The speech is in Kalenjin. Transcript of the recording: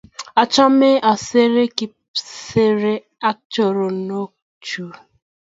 Achame asire kipsirei ak choronok chu